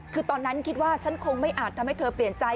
คือตอนนั้นคิดว่าฉันคงไม่อาจทำให้เธอเปลี่ยนใจ